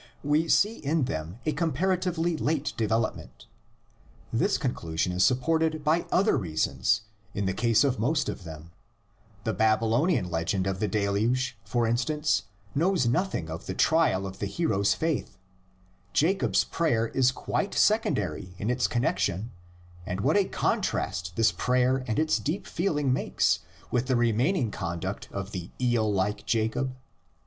We see in them a comparatively late development. This conclusion is supported by other reasons in the case of most of them: the Babylonian legend of the Deluge, for instance, knows nothing of the trial of the hero's faith; Jacob's prayer is quite secondary in its con nexion, and what a contrast this prayer and its deep feeling makes with the remaining conduct of the eel like Jacob!